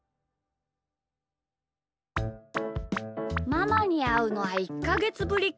ママにあうのはいっかげつぶりかあ。